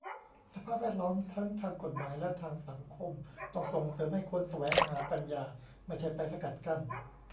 สภาพแวดล้อมทั้งทางกฎหมายและทางสังคม ต้องส่งเสริมให้คนแสวงหาปัญญา ไม่ใช่ไปสกัดกั้น